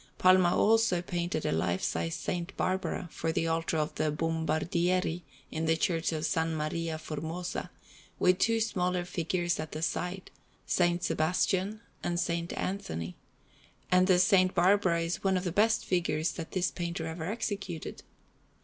Palma also painted a lifesize S. Barbara for the altar of the Bombardieri in the Church of S. Maria Formosa, with two smaller figures at the sides, S. Sebastian and S. Anthony; and the S. Barbara is one of the best figures that this painter ever executed.